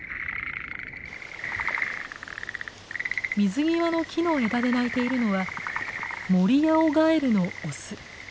水際の木の枝で鳴いているのはモリアオガエルのオス。